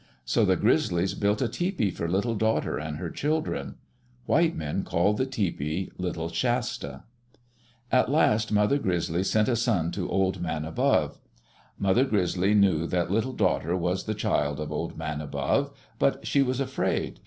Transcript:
So the Grizzlies built a tepee for Little Daughter and her children. White men call the tepee Little Shasta. At last Mother Grizzly sent a son to Old Man Above. Mother Grizzly knew that Little Daughter was the child of Old Man Above, but she was afraid.